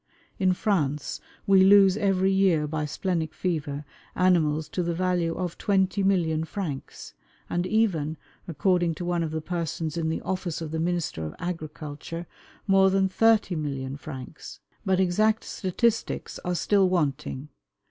In France we lose every year by splenic fever animals to the value of 20,000,000 francs, and even, according to one of the persons in the office of the Minister of Agriculture, more than 30,000,000 francs, but exact statistics are still wanting.